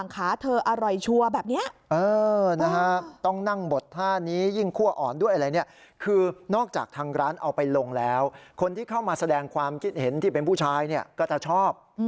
คนที่เข้ามาแสดงความคิดเห็นที่เป็นผู้ชายเนี่ยก็จะชอบ